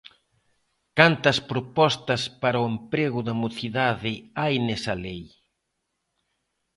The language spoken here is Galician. ¿Cantas propostas para o emprego da mocidade hai nesa lei?